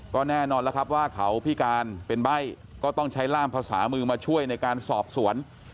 ก็แน่นอนแล้วครับว่าเขาพิการเป็นใบ้ก็ต้องใช้ร่ามภาษามือมาช่วยในการสอบสวน